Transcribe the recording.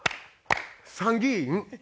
参議院。